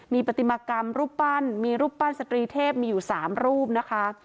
มีปฏิมากรรมรูปปั้นมีรูปปั้นสตรีเทพมีอยู่๓รูปนะคะ